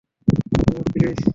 Omar, please.